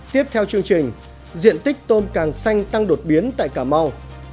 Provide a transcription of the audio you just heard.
tiếp theo chương trình diện tích tôm càng xanh tăng đột biến tại cà mau